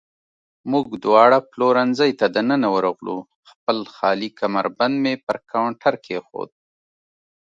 موږ دواړه پلورنځۍ ته دننه ورغلو، خپل خالي کمربند مې پر کاونټر کېښود.